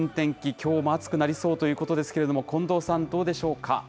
きょうも暑くなりそうということですけれども、近藤さん、どうでしょうか。